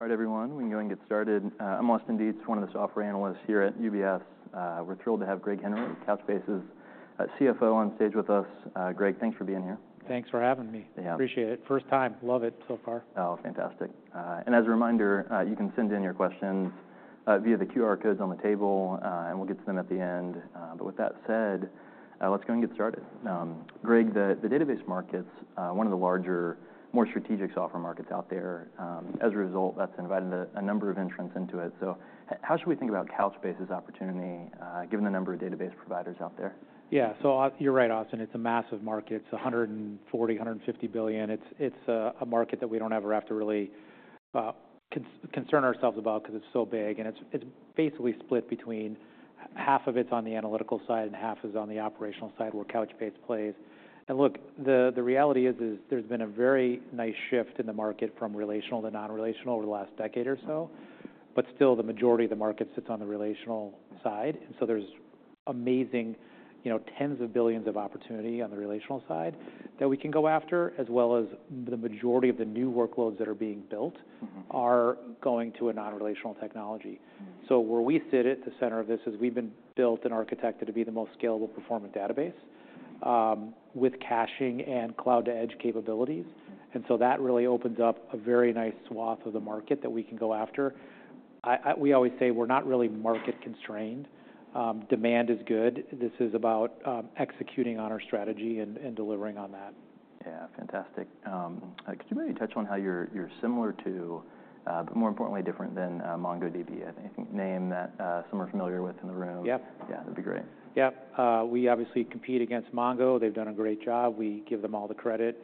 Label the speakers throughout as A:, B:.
A: All right, everyone. We can go ahead and get started. I'm Austin Dietz, one of the software analysts here at UBS. We're thrilled to have Greg Henry, Couchbase's CFO, on stage with us. Greg, thanks for being here.
B: Thanks for having me.
A: Yeah.
B: Appreciate it. First time. Love it so far.
A: Oh, fantastic, and as a reminder, you can send in your questions via the QR codes on the table, and we'll get to them at the end, but with that said, let's go ahead and get started. Greg, the database market's one of the larger, more strategic software markets out there. As a result, that's invited a number of entrants into it, so how should we think about Couchbase's opportunity, given the number of database providers out there?
B: Yeah. You're right, Austin. It's a massive market. It's $140-150 billion. It's a market that we don't ever have to really concern ourselves about 'cause it's so big. It's basically split between half of it's on the analytical side and half is on the operational side where Couchbase plays. Look, the reality is there's been a very nice shift in the market from relational to non-relational over the last decade or so. But still, the majority of the market sits on the relational side. So there's amazing, you know, tens of billions of opportunity on the relational side that we can go after, as well as the majority of the new workloads that are being built.
A: Mm-hmm.
B: Are going to a non-relational technology.
A: Mm-hmm.
B: So where we sit at the center of this is we've been built and architected to be the most scalable, performant database, with caching and cloud-to-edge capabilities. And so that really opens up a very nice swath of the market that we can go after. We always say we're not really market-constrained. Demand is good. This is about executing on our strategy and delivering on that.
A: Yeah. Fantastic. Could you maybe touch on how you're, you're similar to, but more importantly different than, MongoDB? I think name that, some are familiar with in the room.
B: Yep.
A: Yeah. That'd be great.
B: Yep. We obviously compete against Mongo. They've done a great job. We give them all the credit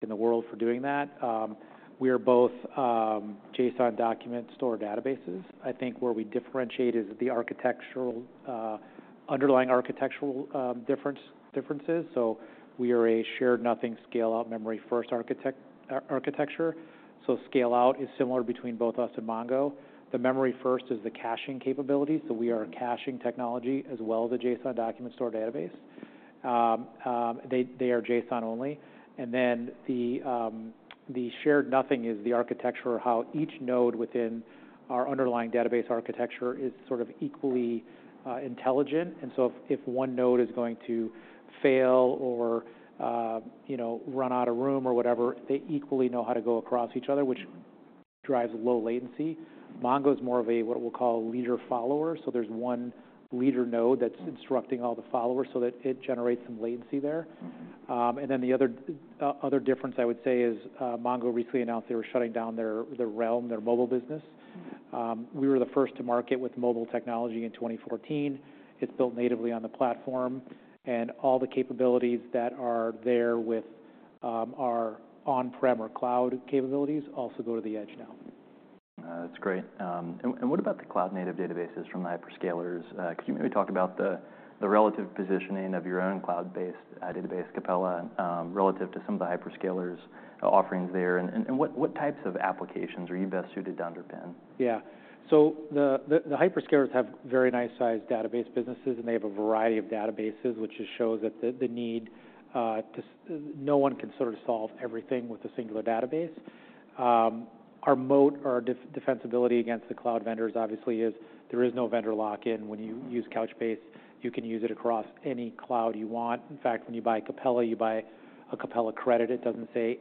B: in the world for doing that. We are both JSON document store databases. I think where we differentiate is the architectural, underlying architectural differences. So we are a shared nothing scale-out memory-first architecture. So scale-out is similar between both us and Mongo. The memory-first is the caching capability. So we are a caching technology as well as a JSON document store database. They are JSON only. And then the shared nothing is the architecture of how each node within our underlying database architecture is sort of equally intelligent. And so if one node is going to fail or, you know, run out of room or whatever, they equally know how to go across each other, which drives low latency. Mongo's more of a what we'll call leader-follower. There's one leader node that's instructing all the followers so that it generates some latency there.
A: Mm-hmm.
B: And then the other difference I would say is, Mongo recently announced they were shutting down their Realm, their mobile business.
A: Mm-hmm.
B: We were the first to market with mobile technology in 2014. It's built natively on the platform, and all the capabilities that are there with our on-prem or cloud capabilities also go to the edge now.
A: That's great. And, and what about the cloud-native databases from the hyperscalers? Could you maybe talk about the, the relative positioning of your own cloud-based database, Capella, relative to some of the hyperscalers' offerings there? And, and what, what types of applications are you best suited to underpin?
B: Yeah. So the hyperscalers have very nice-sized database businesses, and they have a variety of databases, which just shows that the need, there's no one can sort of solve everything with a singular database. Our moat or our defensibility against the cloud vendors obviously is there is no vendor lock-in. When you use Couchbase, you can use it across any cloud you want. In fact, when you buy Capella, you buy a Capella credit. It doesn't say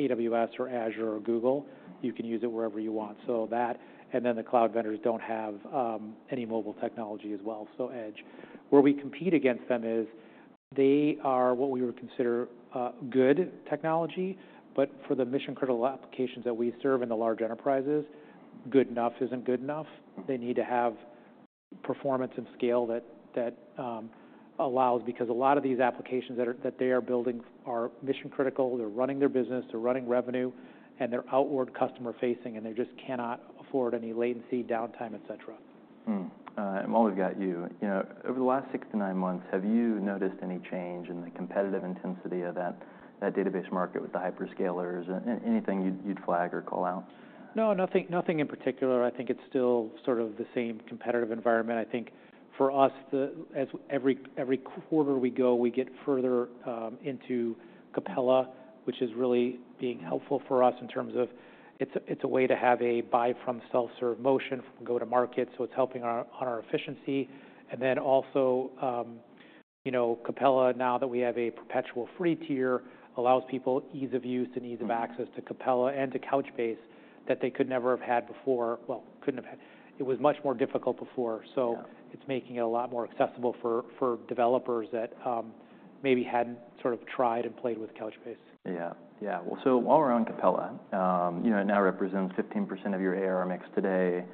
B: AWS or Azure or Google. You can use it wherever you want. So that and then the cloud vendors don't have any mobile technology as well, so edge. Where we compete against them is they are what we would consider good technology. But for the mission-critical applications that we serve in the large enterprises, good enough isn't good enough.
A: Mm-hmm.
B: They need to have performance and scale that allows, because a lot of these applications that they are building are mission-critical. They're running their business. They're running revenue, and they're outward customer-facing, and they just cannot afford any latency, downtime, etc.
A: I'm always got you. You know, over the last six to nine months, have you noticed any change in the competitive intensity of that database market with the hyperscalers and anything you'd flag or call out?
B: No. Nothing, nothing in particular. I think it's still sort of the same competitive environment. I think for us, as every quarter we go, we get further into Capella, which is really being helpful for us in terms of it's a way to have a self-serve motion from go-to-market. So it's helping our efficiency. And then also, you know, Capella, now that we have a perpetual free tier, allows people ease of use and ease of access to Capella and to Couchbase that they could never have had before. Couldn't have had. It was much more difficult before.
A: Yeah.
B: So it's making it a lot more accessible for developers that maybe hadn't sort of tried and played with Couchbase.
A: Yeah. Yeah. Well, so while we're on Capella, you know, it now represents 15% of your ARR mix today,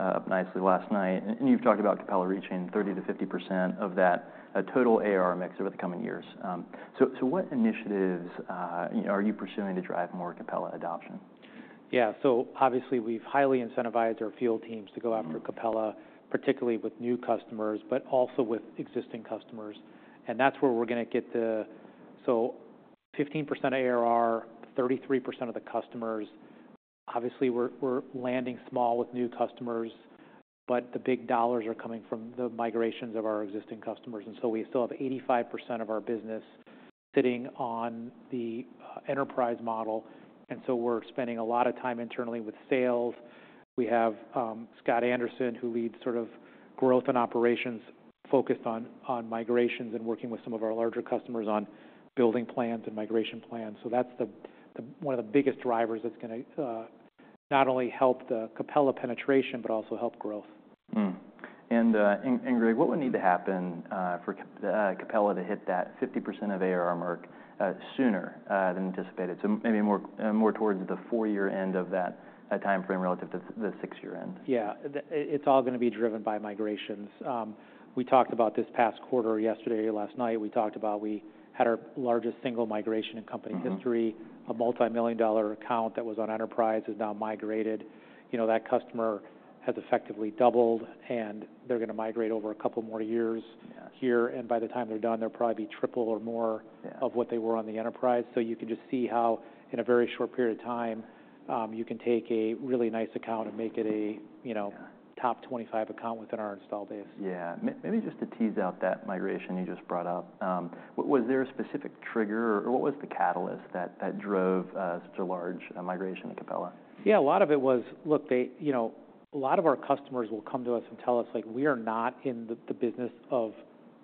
A: up nicely last night. And you've talked about Capella reaching 30%-50% of that total AR mix over the coming years. So what initiatives, you know, are you pursuing to drive more Capella adoption?
B: Yeah. So obviously, we've highly incentivized our field teams to go after Capella, particularly with new customers but also with existing customers. And that's where we're gonna get the, so 15% ARR, 33% of the customers. Obviously, we're landing small with new customers, but the big dollars are coming from the migrations of our existing customers. And so we still have 85% of our business sitting on the enterprise model. And so we're spending a lot of time internally with sales. We have Scott Anderson, who leads sort of growth and operations focused on migrations and working with some of our larger customers on building plans and migration plans. So that's the one of the biggest drivers that's gonna not only help the Capella penetration but also help growth.
A: And Greg, what would need to happen for Capella to hit that 50% of ARR mark sooner than anticipated? So maybe more towards the four-year end of that timeframe relative to the six-year end.
B: Yeah. It's all gonna be driven by migrations. We talked about this past quarter yesterday or last night. We talked about we had our largest single migration in company history.
A: Mm-hmm.
B: A multi-million-dollar account that was on Enterprise has now migrated. You know, that customer has effectively doubled, and they're gonna migrate over a couple more years.
A: Yes.
B: Here. And by the time they're done, there'll probably be triple or more.
A: Yeah.
B: Of what they were on the enterprise. So you can just see how in a very short period of time, you can take a really nice account and make it a, you know.
A: Yeah.
B: Top 25 account within our installed base.
A: Yeah. Maybe just to tease out that migration you just brought up, was there a specific trigger or what was the catalyst that drove such a large migration to Capella?
B: Yeah. A lot of it was, look, they, you know, a lot of our customers will come to us and tell us, like, we are not in the business of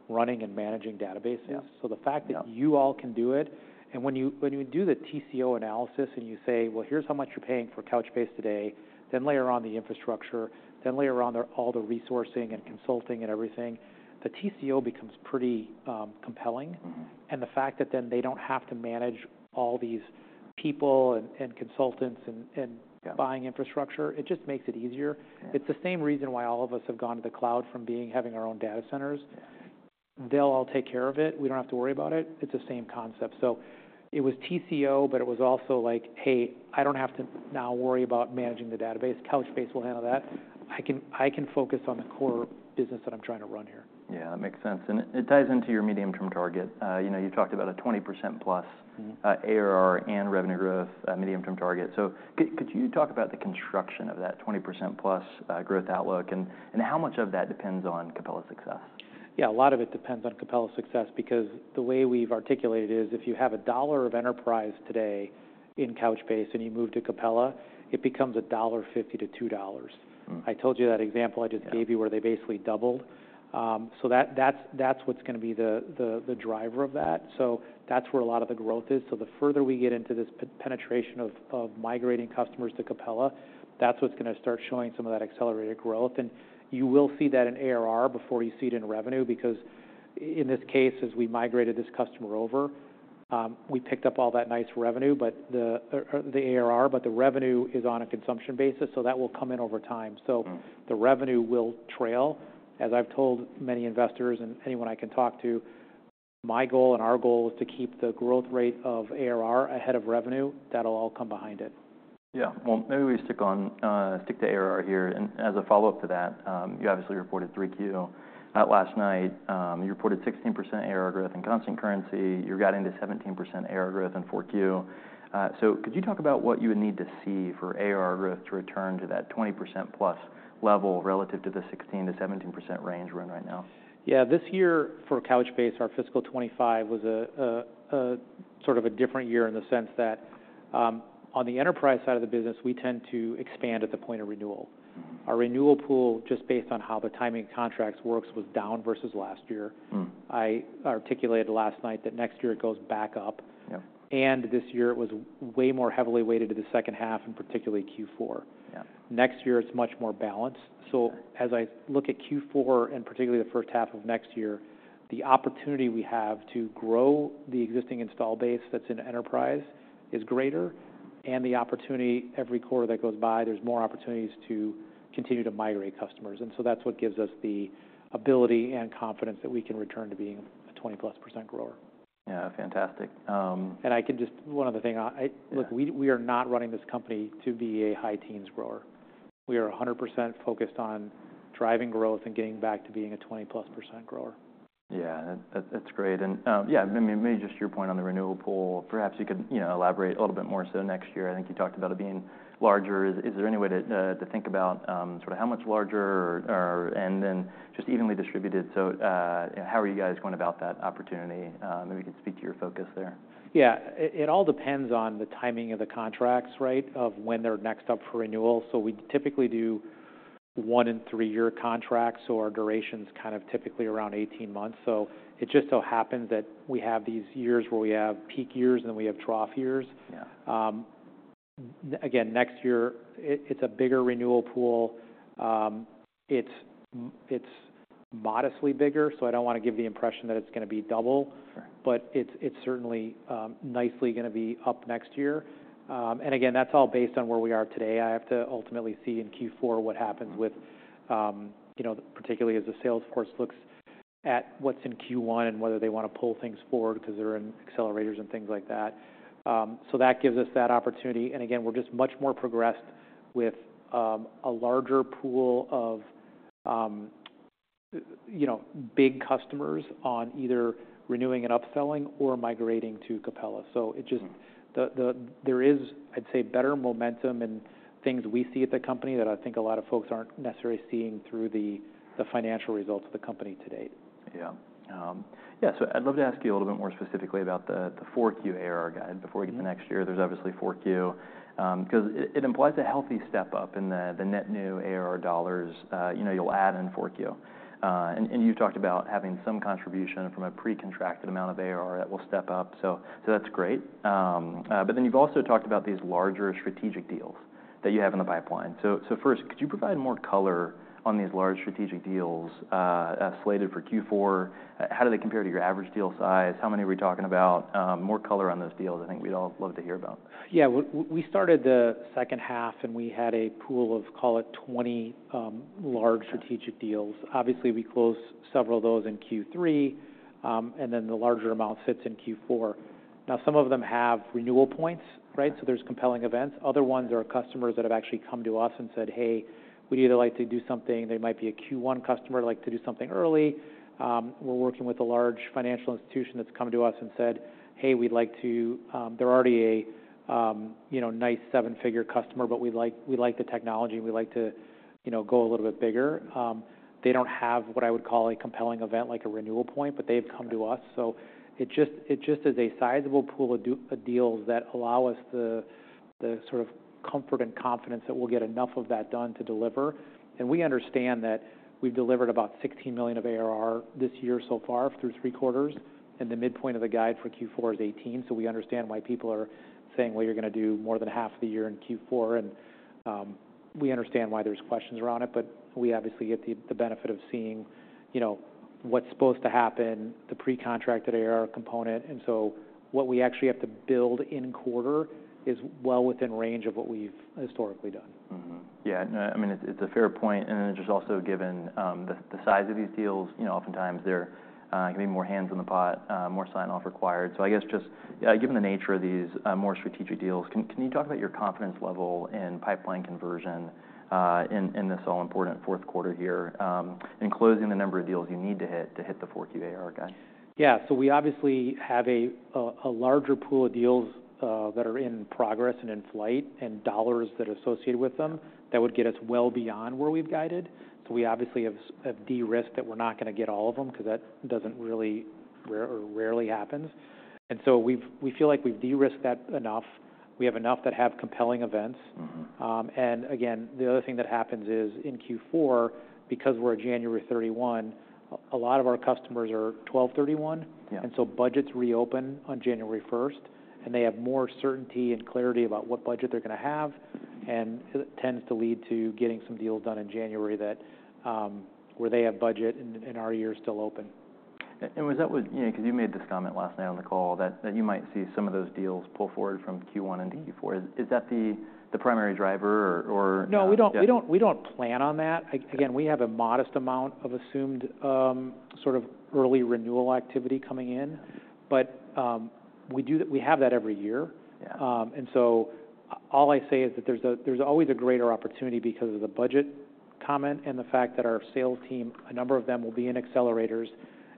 B: running and managing databases.
A: Yeah.
B: So the fact that.
A: Yeah.
B: You all can do it and when you do the TCO analysis and you say, "Well, here's how much you're paying for Couchbase today," then layer on the infrastructure, then layer on there all the resourcing and consulting and everything, the TCO becomes pretty compelling.
A: Mm-hmm.
B: The fact that then they don't have to manage all these people and consultants.
A: Yeah.
B: Buying infrastructure, it just makes it easier.
A: Yeah.
B: It's the same reason why all of us have gone to the cloud from having our own data centers.
A: Yeah.
B: They'll all take care of it. We don't have to worry about it. It's the same concept. So it was TCO, but it was also like, "Hey, I don't have to now worry about managing the database. Couchbase will handle that. I can focus on the core business that I'm trying to run here.
A: Yeah. That makes sense. And it ties into your medium-term target, you know, you talked about a 20%+.
B: Mm-hmm.
A: ARR and revenue growth, medium-term target. Could you talk about the construction of that 20%+ growth outlook and how much of that depends on Capella's success?
B: Yeah. A lot of it depends on Capella's success because the way we've articulated is if you have a dollar of enterprise today in Couchbase and you move to Capella, it becomes a $1.50-$2. I told you that example I just gave you.
A: Yeah.
B: Where they basically doubled. So that's what's gonna be the driver of that. So that's where a lot of the growth is. So the further we get into this penetration of migrating customers to Capella, that's what's gonna start showing some of that accelerated growth. And you will see that in ARR before you see it in revenue because in this case, as we migrated this customer over, we picked up all that nice revenue, but the ARR, but the revenue is on a consumption basis. So that will come in over time. The revenue will trail. As I've told many investors and anyone I can talk to, my goal and our goal is to keep the growth rate of ARR ahead of revenue. That'll all come behind it.
A: Yeah. Well, maybe we stick on, stick to ARR here. And as a follow-up to that, you obviously reported 3Q last night. You reported 16% ARR growth in constant currency. You're guiding to 17% ARR growth in 4Q, so could you talk about what you would need to see for ARR growth to return to that 20%-plus level relative to the 16%-17% range we're in right now?
B: Yeah. This year for Couchbase, our fiscal 2025 was a sort of a different year in the sense that, on the enterprise side of the business, we tend to expand at the point of renewal.
A: Mm-hmm.
B: Our renewal pool, just based on how the timing of contracts works, was down versus last year. I articulated last night that next year it goes back up.
A: Yep.
B: This year it was way more heavily weighted to the second half, and particularly Q4.
A: Yeah.
B: Next year it's much more balanced, so.
A: Mm-hmm.
B: As I look at Q4 and particularly the first half of next year, the opportunity we have to grow the existing install base that's in enterprise is greater. And the opportunity every quarter that goes by, there's more opportunities to continue to migrate customers. And so that's what gives us the ability and confidence that we can return to being a 20+% grower.
A: Yeah. Fantastic.
B: And I can just one other thing. I look.
A: Yeah.
B: We are not running this company to be a high-teens% grower. We are 100% focused on driving growth and getting back to being a 20+% grower.
A: Yeah. That's great. And, yeah, maybe just your point on the renewal pool, perhaps you could, you know, elaborate a little bit more so next year. I think you talked about it being larger. Is there any way to think about, sort of how much larger or and then just evenly distributed? So, you know, how are you guys going about that opportunity? Maybe you could speak to your focus there.
B: Yeah. It all depends on the timing of the contracts, right, of when they're next up for renewal. So we typically do one and three-year contracts. So our duration's kind of typically around 18 months. So it just so happens that we have these years where we have peak years and then we have trough years.
A: Yeah.
B: That again, next year, it's a bigger renewal pool. It's modestly bigger. So I don't wanna give the impression that it's gonna be double.
A: Sure.
B: But it's certainly nicely gonna be up next year. And again, that's all based on where we are today. I have to ultimately see in Q4 what happens with, you know, particularly as the sales force looks at what's in Q1 and whether they wanna pull things forward 'cause they're in accelerators and things like that. So that gives us that opportunity. And again, we're just much more progressed with a larger pool of, you know, big customers on either renewing and upselling or migrating to Capella. So it just.
A: Mm-hmm.
B: There is, I'd say, better momentum in things we see at the company that I think a lot of folks aren't necessarily seeing through the financial results of the company to date.
A: Yeah. So I'd love to ask you a little bit more specifically about the 4Q ARR guide. Before we get.
B: Mm-hmm.
A: Into next year, there's obviously 4Q, 'cause it implies a healthy step up in the net new ARR dollars. You know, you'll add in 4Q and you've talked about having some contribution from a pre-contracted amount of ARR that will step up. So that's great, but then you've also talked about these larger strategic deals that you have in the pipeline. So first, could you provide more color on these large strategic deals, slated for Q4? How do they compare to your average deal size? How many are we talking about? More color on those deals. I think we'd all love to hear about.
B: Yeah. We started the second half, and we had a pool of, call it, 20 large strategic deals. Obviously, we closed several of those in Q3, and then the larger amount sits in Q4. Now, some of them have renewal points, right? So there's compelling events. Other ones are customers that have actually come to us and said, "Hey, we'd either like to do something." They might be a Q1 customer, like to do something early. We're working with a large financial institution that's come to us and said, "Hey, we'd like to, they're already a, you know, nice seven-figure customer, but we'd like we like the technology, and we'd like to, you know, go a little bit bigger." They don't have what I would call a compelling event like a renewal point, but they have come to us. It just is a sizable pool of deals that allow us the sort of comfort and confidence that we'll get enough of that done to deliver. We understand that we've delivered about $16 million of ARR this year so far through three quarters. The midpoint of the guide for Q4 is $18 million. We understand why people are saying, "Well, you're gonna do more than half the year in Q4." We understand why there's questions around it, but we obviously get the benefit of seeing, you know, what's supposed to happen, the pre-contracted ARR component. What we actually have to build in quarter is well within range of what we've historically done.
A: Mm-hmm. Yeah. No, I mean, it's a fair point. And then just also given the size of these deals, you know, oftentimes they're gonna be more hands in the pot, more sign-off required. So I guess just, given the nature of these more strategic deals, can you talk about your confidence level in pipeline conversion, in this all-important fourth quarter here, in closing the number of deals you need to hit to hit the 4Q ARR guide?
B: Yeah. So we obviously have a larger pool of deals that are in progress and in flight and dollars that are associated with them that would get us well beyond where we've guided. So we obviously have de-risked that we're not gonna get all of them 'cause that doesn't really rarely happen. And so we feel like we've de-risked that enough. We have enough that have compelling events.
A: Mm-hmm.
B: And again, the other thing that happens is in Q4, because we're at January 31, a lot of our customers are 12/31.
A: Yeah.
B: Budgets reopen on January 1st, and they have more certainty and clarity about what budget they're gonna have. It tends to lead to getting some deals done in January where they have budget and our year's still open.
A: Was that what, you know, 'cause you made this comment last night on the call that you might see some of those deals pull forward from Q1 into Q4? Is that the primary driver or?
B: No, we don't.
A: Yeah.
B: We don't plan on that. Again, we have a modest amount of assumed, sort of early renewal activity coming in. But, we do that. We have that every year.
A: Yeah.
B: And so all I say is that there's always a greater opportunity because of the budget comment and the fact that our sales team, a number of them will be in accelerators,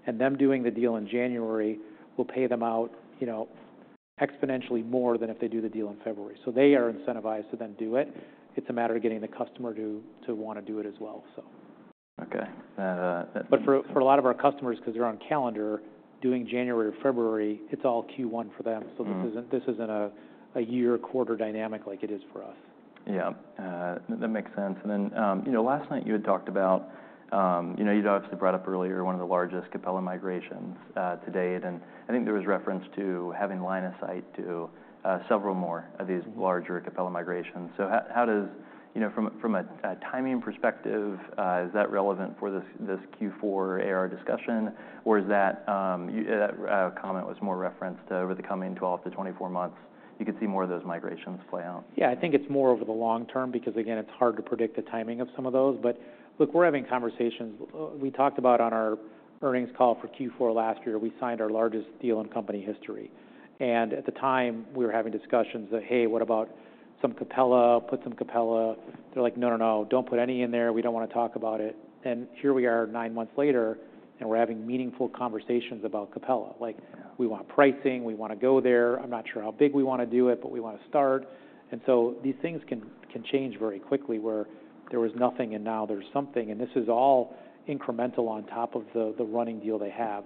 B: and them doing the deal in January will pay them out, you know, exponentially more than if they do the deal in February. So they are incentivized to then do it. It's a matter of getting the customer to wanna do it as well, so.
A: Okay. That, that's.
B: But for a lot of our customers, 'cause they're on calendar, doing January or February, it's all Q1 for them. So this isn't a year, quarter dynamic like it is for us.
A: Yeah, that makes sense. And then, you know, last night you had talked about, you know, you'd obviously brought up earlier one of the largest Capella migrations to date. And I think there was reference to having line of sight to several more of these larger Capella migrations. So how does, you know, from a timing perspective, is that relevant for this Q4 ARR discussion? Or is that that comment was more referenced to over the coming 12 to 24 months, you could see more of those migrations play out?
B: Yeah. I think it's more over the long term because, again, it's hard to predict the timing of some of those. But look, we're having conversations. We talked about, on our earnings call for Q4 last year, we signed our largest deal in company history. And at the time, we were having discussions that, "Hey, what about some Capella? Put some Capella." They're like, "No, no, no. Don't put any in there. We don't wanna talk about it." And here we are nine months later, and we're having meaningful conversations about Capella. Like.
A: Yeah.
B: We want pricing. We wanna go there. I'm not sure how big we wanna do it, but we wanna start. These things can change very quickly where there was nothing and now there's something. This is all incremental on top of the running deal they have.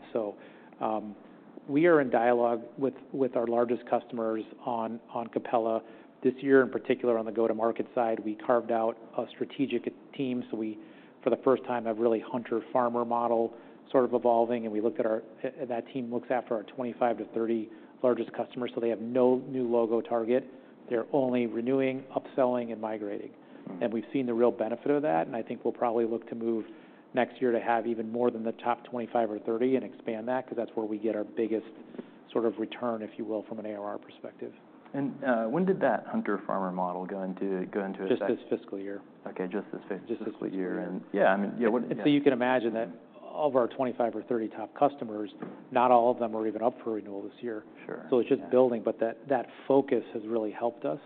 B: We are in dialogue with our largest customers on Capella. This year in particular, on the go-to-market side, we carved out a strategic team. For the first time, we have really hunter-farmer model sort of evolving. That team looks after our 25-30 largest customers. They have no new logo target. They're only renewing, upselling, and migrating. We've seen the real benefit of that. And I think we'll probably look to move next year to have even more than the top 25 or 30 and expand that 'cause that's where we get our biggest sort of return, if you will, from an ARR perspective.
A: When did that hunter-farmer model go into effect?
B: Just this fiscal year.
A: Okay. Just this fiscal year.
B: Just this fiscal year.
A: And yeah, I mean, yeah, what?
B: You can imagine that all of our 25 or 30 top customers, not all of them are even up for renewal this year.
A: Sure.
B: So it's just building. But that, that focus has really helped us.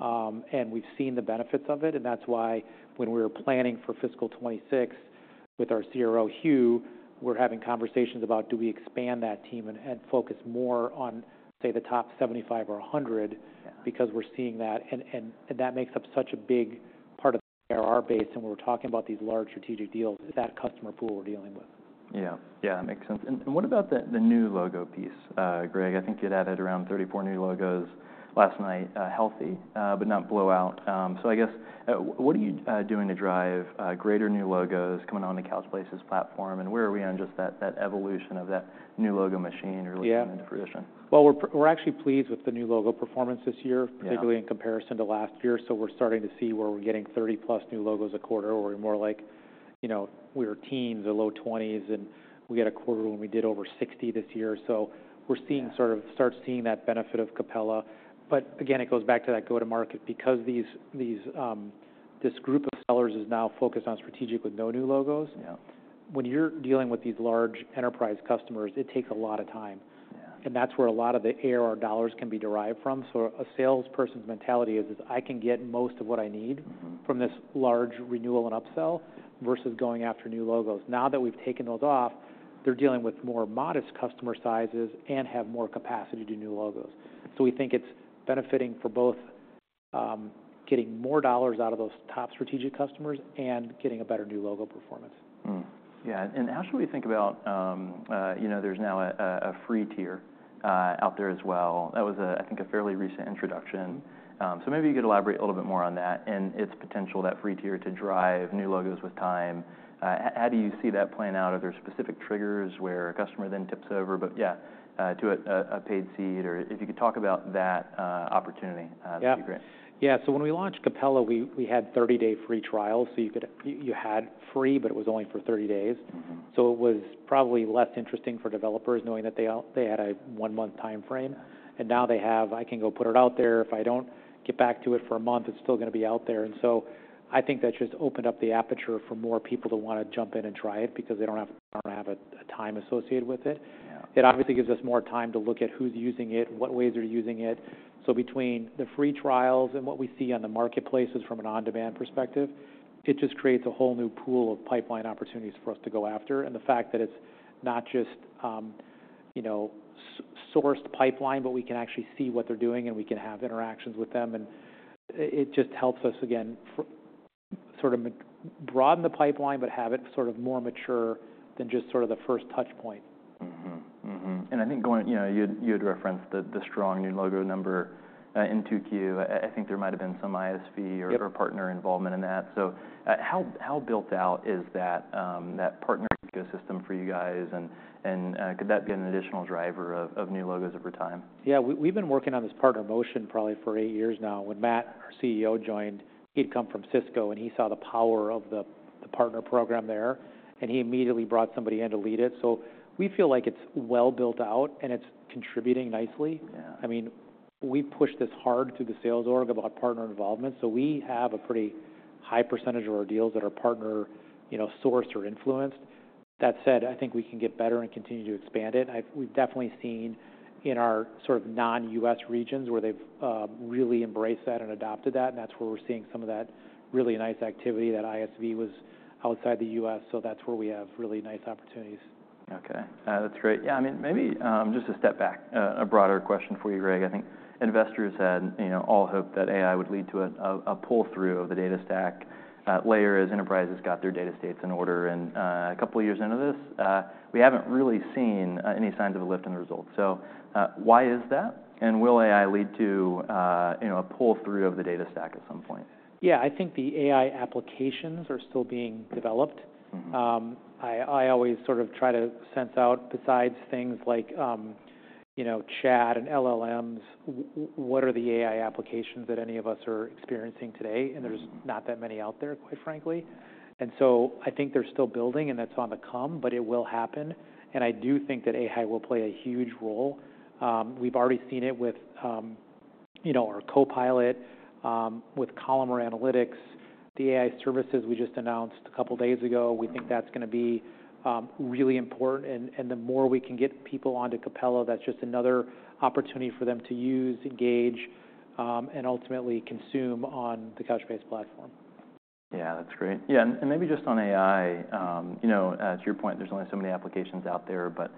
B: And we've seen the benefits of it. And that's why when we were planning for fiscal 2026 with our CRO, Huw, we're having conversations about, "Do we expand that team and focus more on, say, the top 75 or 100?
A: Yeah.
B: Because we're seeing that. And that makes up such a big part of the ARR base. And when we're talking about these large strategic deals, it's that customer pool we're dealing with.
A: Yeah. Yeah. That makes sense. What about the new logo piece? Greg, I think you'd added around 34 new logos last night, healthy, but not blowout. I guess, what are you doing to drive greater new logos coming onto Couchbase's platform? Where are we on just that evolution of that new logo machine you're looking into fruition?
B: Yeah. Well, we're actually pleased with the new logo performance this year.
A: Yeah.
B: Particularly in comparison to last year. So we're starting to see where we're getting 30-plus new logos a quarter where we're more like, you know, we were teens or low 20s, and we got a quarter when we did over 60 this year. So we're seeing sort of start seeing that benefit of Capella. But again, it goes back to that go-to-market because these, this group of sellers is now focused on strategic with no new logos.
A: Yeah.
B: When you're dealing with these large enterprise customers, it takes a lot of time.
A: Yeah.
B: That's where a lot of the ARR dollars can be derived from. A salesperson's mentality is I can get most of what I need.
A: Mm-hmm.
B: From this large renewal and upsell versus going after new logos. Now that we've taken those off, they're dealing with more modest customer sizes and have more capacity to do new logos. So we think it's benefiting for both, getting more dollars out of those top strategic customers and getting a better new logo performance.
A: Yeah. And how should we think about, you know, there's now a free tier out there as well. That was, I think, a fairly recent introduction.
B: Mm-hmm.
A: So maybe you could elaborate a little bit more on that and its potential, that free tier to drive new logos with time. How do you see that playing out? Are there specific triggers where a customer then tips over, but yeah, to a paid seat or if you could talk about that opportunity, that'd be great.
B: Yeah. So when we launched Capella, we had 30-day free trial. So you had free, but it was only for 30 days.
A: Mm-hmm.
B: So it was probably less interesting for developers knowing that they had a one-month timeframe. And now they have, "I can go put it out there. If I don't get back to it for a month, it's still gonna be out there." And so I think that just opened up the aperture for more people to wanna jump in and try it because they don't have to have a time associated with it.
A: Yeah.
B: It obviously gives us more time to look at who's using it, what ways they're using it, so between the free trials and what we see on the marketplaces from an on-demand perspective, it just creates a whole new pool of pipeline opportunities for us to go after, and the fact that it's not just, you know, self-sourced pipeline, but we can actually see what they're doing, and we can have interactions with them, and it just helps us, again, sort of broaden the pipeline but have it sort of more mature than just sort of the first touchpoint.
A: And I think going, you know, you'd referenced the strong new logo number in 2Q. I think there might have been some ISV or.
B: Yep.
A: Or partner involvement in that. So, how built out is that partner ecosystem for you guys? And, could that be an additional driver of new logos over time?
B: Yeah. We've been working on this partner motion probably for eight years now. When Matt, our CEO, joined, he'd come from Cisco, and he saw the power of the partner program there, and he immediately brought somebody in to lead it. So we feel like it's well built out, and it's contributing nicely.
A: Yeah.
B: I mean, we push this hard through the sales org about partner involvement, so we have a pretty high percentage of our deals that are partner, you know, sourced or influenced. That said, I think we can get better and continue to expand it. We've definitely seen in our sort of non-US regions where they've really embraced that and adopted that, and that's where we're seeing some of that really nice ISV activity outside the US, so that's where we have really nice opportunities.
A: Okay. That's great. Yeah. I mean, maybe just a step back, a broader question for you, Greg. I think investors had, you know, all hoped that AI would lead to a pull-through of the data stack layer as enterprises got their data estates in order, and a couple of years into this, we haven't really seen any signs of a lift in the results. So, why is that, and will AI lead to, you know, a pull-through of the data stack at some point?
B: Yeah. I think the AI applications are still being developed.
A: Mm-hmm.
B: I always sort of try to sense out besides things like, you know, chat and LLMs, what are the AI applications that any of us are experiencing today? And there's not that many out there, quite frankly. And so I think they're still building, and that's on the come, but it will happen. And I do think that AI will play a huge role. We've already seen it with, you know, our Copilot, with Columnar Analytics. The AI services we just announced a couple of days ago, we think that's gonna be really important. And the more we can get people onto Capella, that's just another opportunity for them to use, engage, and ultimately consume on the Couchbase platform.
A: Yeah. That's great. Yeah. And, and maybe just on AI, you know, to your point, there's only so many applications out there, but,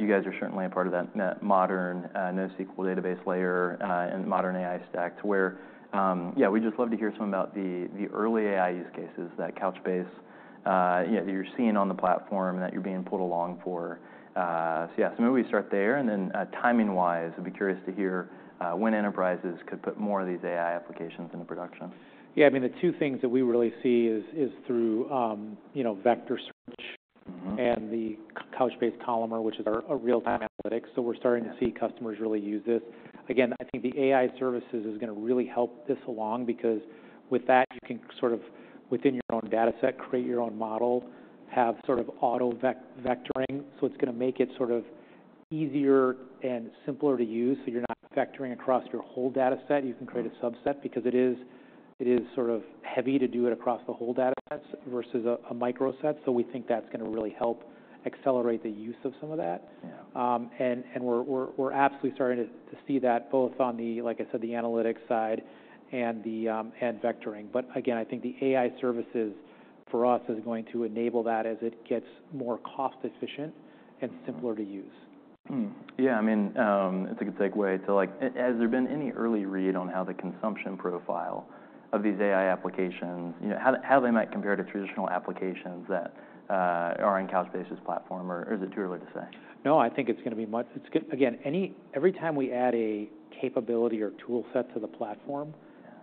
A: you guys are certainly a part of that, that modern, NoSQL database layer, and modern AI stack to where, yeah, we'd just love to hear some about the, the early AI use cases that Couchbase, you know, that you're seeing on the platform and that you're being pulled along for. So yeah, so maybe we start there. And then, timing-wise, I'd be curious to hear, when enterprises could put more of these AI applications into production.
B: Yeah. I mean, the two things that we really see is through, you know, vector search.
A: Mm-hmm.
B: The Couchbase Columnar, which is our real-time analytics. We're starting to see customers really use this. Again, I think the AI services is gonna really help this along because with that, you can sort of, within your own dataset, create your own model, have sort of auto-vec vectoring. It's gonna make it sort of easier and simpler to use. You're not vectoring across your whole dataset. You can create a subset because it is sort of heavy to do it across the whole datasets versus a microset. We think that's gonna really help accelerate the use of some of that.
A: Yeah.
B: We're absolutely starting to see that both on the, like I said, the analytics side and the vectoring. But again, I think the AI services for us is going to enable that as it gets more cost-efficient and simpler to use.
A: Yeah. I mean, it's a good segue to, like, has there been any early read on how the consumption profile of these AI applications, you know, how they might compare to traditional applications that are on Couchbase's platform? Or is it too early to say?
B: No. I think it's gonna be again, every time we add a capability or tool set to the platform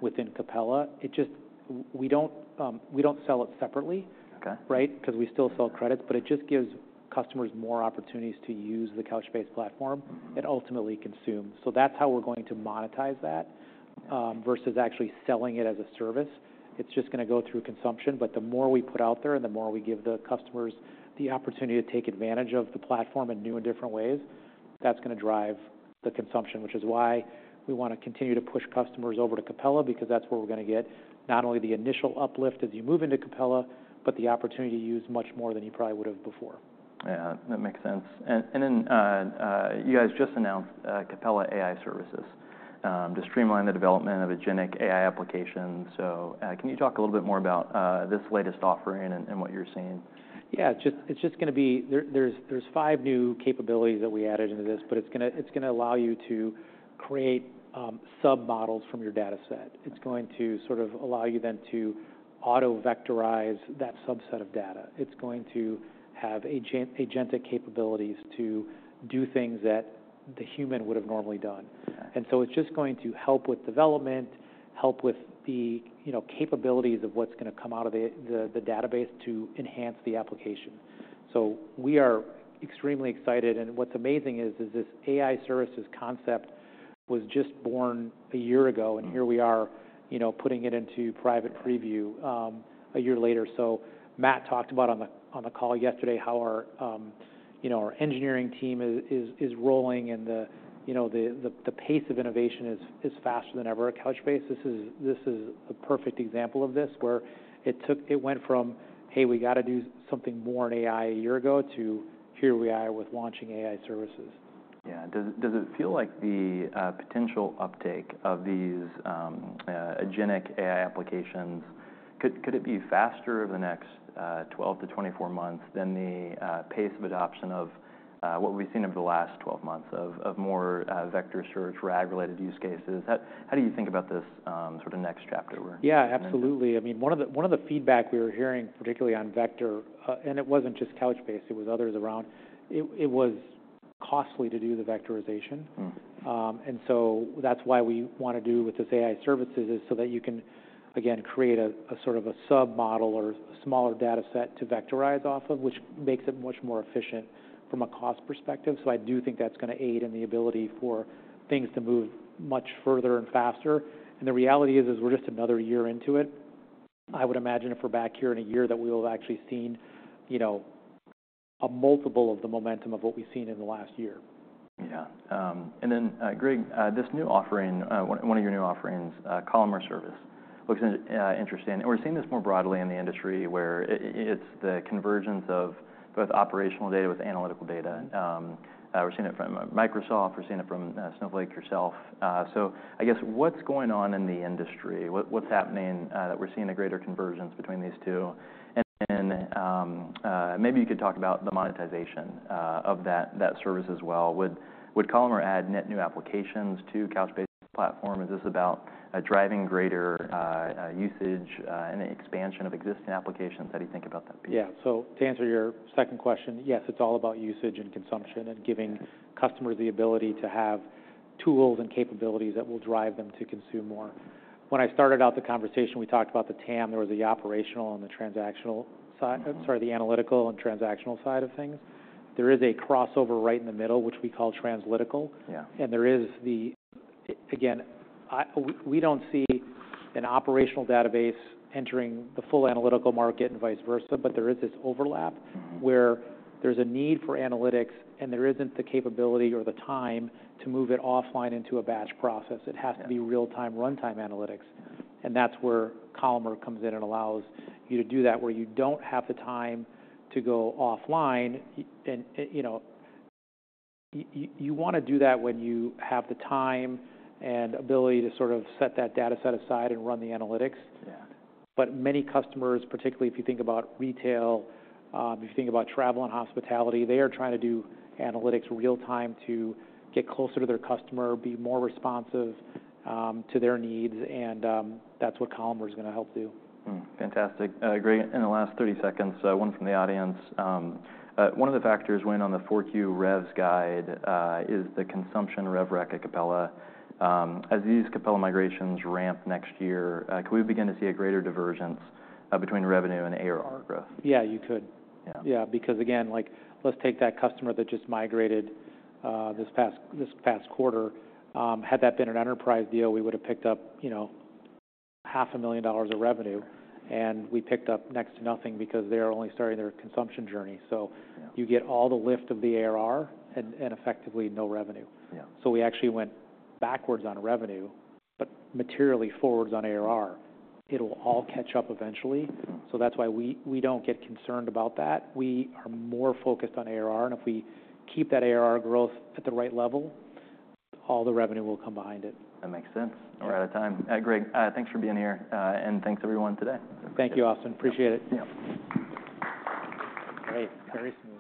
B: within Capella, it just, we don't sell it separately.
A: Okay.
B: Right? 'Cause we still sell credits. But it just gives customers more opportunities to use the Couchbase platform and ultimately consume. So that's how we're going to monetize that, versus actually selling it as a service. It's just gonna go through consumption. But the more we put out there and the more we give the customers the opportunity to take advantage of the platform in new and different ways, that's gonna drive the consumption, which is why we wanna continue to push customers over to Capella because that's where we're gonna get not only the initial uplift as you move into Capella, but the opportunity to use much more than you probably would've before.
A: Yeah. That makes sense. And then, you guys just announced Capella AI Services to streamline the development of agentic AI application. So, can you talk a little bit more about this latest offering and what you're seeing?
B: Yeah. It's just gonna be there. There's five new capabilities that we added into this, but it's gonna allow you to create sub-models from your dataset. It's going to sort of allow you then to auto-vectorize that subset of data. It's going to have agentic capabilities to do things that the human would've normally done.
A: Okay.
B: It's just going to help with development, help with the, you know, capabilities of what's gonna come out of the database to enhance the application. We are extremely excited. What's amazing is this AI services concept was just born a year ago, and here we are, you know, putting it into private preview a year later. Matt talked about on the call yesterday how our, you know, our engineering team is rolling and the, you know, the pace of innovation is faster than ever at Couchbase. This is a perfect example of this where it went from, "Hey, we gotta do something more in AI a year ago," to, "Here we are with launching AI services.
A: Yeah. Does it feel like the potential uptake of these agentic AI applications could it be faster over the next 12 to 24 months than the pace of adoption of what we've seen over the last 12 months of more vector search, RAG-related use cases? How do you think about this sort of next chapter where?
B: Yeah. Absolutely. I mean, one of the feedback we were hearing, particularly on vector, and it wasn't just Couchbase. It was others around. It was costly to do the vectorization.
A: Mm-hmm.
B: And so that's why we wanna do with this AI services is so that you can, again, create a sort of a sub-model or a smaller dataset to vectorize off of, which makes it much more efficient from a cost perspective. So I do think that's gonna aid in the ability for things to move much further and faster. And the reality is, we're just another year into it. I would imagine if we're back here in a year that we will have actually seen, you know, a multiple of the momentum of what we've seen in the last year.
A: Yeah. And then, Greg, this new offering, one of your new offerings, Columnar Service, looks interesting. And we're seeing this more broadly in the industry where it's the convergence of both operational data with analytical data. We're seeing it from Microsoft. We're seeing it from Snowflake yourself. So I guess what's going on in the industry? What's happening, that we're seeing a greater convergence between these two? And then, maybe you could talk about the monetization of that service as well. Would Columnar add net new applications to Couchbase's platform? Is this about driving greater usage and expansion of existing applications? How do you think about that piece?
B: Yeah, so to answer your second question, yes, it's all about usage and consumption and giving customers the ability to have tools and capabilities that will drive them to consume more. When I started out the conversation, we talked about the TAM. There was the operational and the transactional, the analytical and transactional side of things. There is a crossover right in the middle, which we call translytical.
A: Yeah.
B: And there is the idea again. We don't see an operational database entering the full analytical market and vice versa, but there is this overlap.
A: Mm-hmm.
B: Where there's a need for analytics, and there isn't the capability or the time to move it offline into a batch process. It has to be real-time runtime analytics. And that's where Columnar comes in and allows you to do that where you don't have the time to go offline. And you know, you wanna do that when you have the time and ability to sort of set that dataset aside and run the analytics.
A: Yeah.
B: But many customers, particularly if you think about retail, if you think about travel and hospitality, they are trying to do analytics real-time to get closer to their customer, be more responsive, to their needs. And that's what Couchbase Columnar's gonna help do.
A: Fantastic. Greg, in the last 30 seconds, one from the audience. One of the factors when on the 4Q revs guide is the consumption rev rec at Capella. As these Capella migrations ramp next year, could we begin to see a greater divergence between revenue and ARR growth?
B: Yeah. You could.
A: Yeah.
B: Yeah. Because again, like, let's take that customer that just migrated, this past quarter. Had that been an enterprise deal, we would've picked up, you know, $500,000 of revenue, and we picked up next to nothing because they're only starting their consumption journey. So.
A: Yeah.
B: You get all the lift of the ARR and effectively no revenue.
A: Yeah.
B: So we actually went backwards on revenue but materially forwards on ARR. It'll all catch up eventually. So that's why we don't get concerned about that. We are more focused on ARR. And if we keep that ARR growth at the right level, all the revenue will come behind it.
A: That makes sense.
B: Yeah.
A: We're out of time. Greg, thanks for being here. And thanks everyone today.
B: Thank you, Austin. Appreciate it.
A: Yeah.
B: Great.
A: Great.